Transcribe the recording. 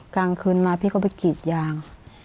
กลางคืนมาพี่ก็ไปกรีดยาง